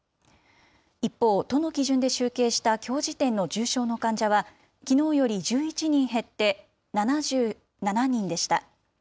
一方、都の基準で集計したきょう時点の重症の患者は、きのうより１１人減って、７７人でした。